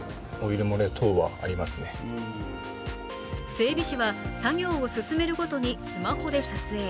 整備士は作業を進めるごとにスマホで撮影。